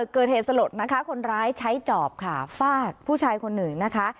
เกิดเหตุสลดนะคะคนร้ายใช้จอบค่ะฟาดผู้ชายคนหนึ่งนะคะ